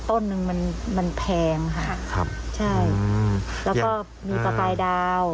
ต้นหนึ่งมันมันแพงค่ะครับใช่แล้วก็มีปลาปลายดาว